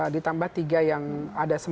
ditambah tiga yang ada sembilan